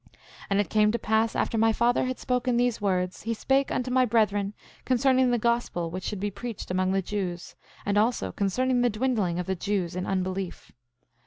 10:11 And it came to pass after my father had spoken these words he spake unto my brethren concerning the gospel which should be preached among the Jews, and also concerning the dwindling of the Jews in unbelief.